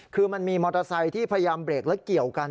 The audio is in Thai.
คือมันมีมอเตอร์ไซค์ที่พยายามเบรกและเกี่ยวกัน